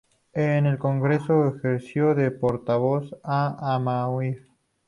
En el Congreso ejerció de portavoz de Amaiur.